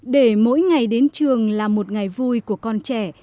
để mỗi ngày đến trường là một ngày vui của con trẻ